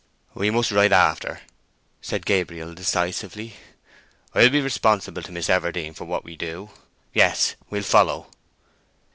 "We must ride after," said Gabriel, decisively. "I'll be responsible to Miss Everdene for what we do. Yes, we'll follow."